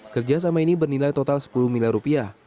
kerjasama ini bernilai total sepuluh miliar rupiah